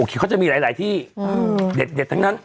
เขาจะมีหลายที่เด็ดทั้งนั้น